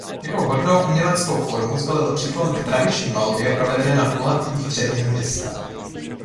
Jako vhodnou uměleckou formu zvolil příklon k tradiční malbě provedené na kulatých dřevěných deskách.